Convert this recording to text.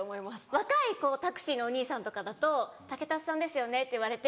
若いタクシーのお兄さんとかだと「竹達さんですよね」って言われて。